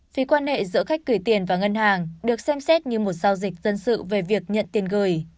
phí quan hệ giữa khách gửi tiền và ngân hàng được xem xét như một giao dịch dân sự về việc nhận tiền gửi